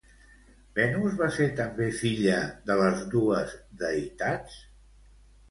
Venus va ser també filla de les dues deïtats?